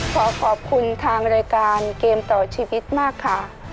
ขอขอบคุณทางรายการเกมต่อชีวิตมากค่ะ